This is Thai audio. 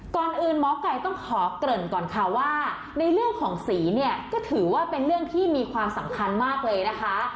ก่อนอื่นหมอไก่ต้องขอเกริ่นก่อนค่ะว่าในเรื่องของสีเนี่ยก็ถือว่าเป็นเรื่องที่มีความสำคัญมากเลยนะคะ